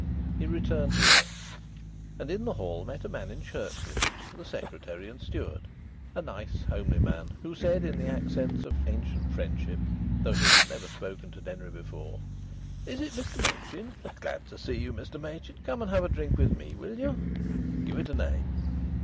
He returned to earth, and in the hall met a man in shirt sleeves the Secretary and Steward, a nice, homely man, who said, in the accents of ancient friendship, though he had never spoken to Denry before: "Is it Mr Machin? Glad to see you, Mr Machin! Come and have a drink with me, will you? Give it a name."